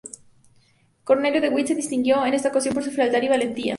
Cornelio de Witt se distinguió en esa ocasión por su frialdad y valentía.